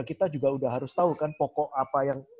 kita juga udah harus tahu kan pokok apa yang